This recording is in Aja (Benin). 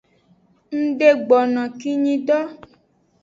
Ngdegbono no kinyi do.